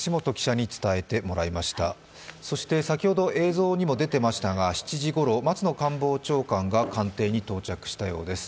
先ほど映像にも出ていましたが７時ごろ、松野官房長官が官邸に到着したようです。